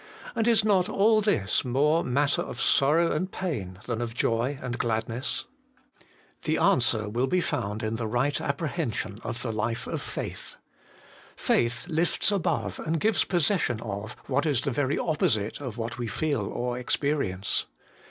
and is not all this more matter of sorrow and pain than of joy and gladness ? The answer will be found in the right appre HOLINESS AND HAPPINESS. 187 heusion of the life of faith. Faith lifts above, and gives possession of, what is the very opposite of what we feel or experience.